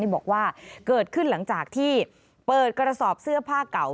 บอกว่าเกิดขึ้นหลังจากที่เปิดกระสอบเสื้อผ้าเก่า